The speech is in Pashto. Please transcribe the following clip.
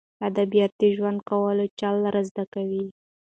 ادبیات د ژوند کولو چل را زده کوي.